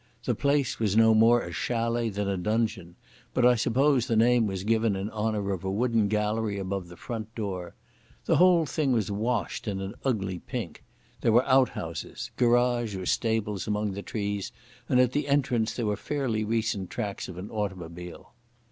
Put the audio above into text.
The place was no more a chalet than a donjon, but I suppose the name was given in honour of a wooden gallery above the front door. The whole thing was washed in an ugly pink. There were outhouses—garage or stables among the trees—and at the entrance there were fairly recent tracks of an automobile.